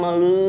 ya aku percaya